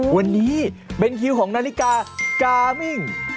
วันนี้เป็นคิวของนาฬิกากามิ่ง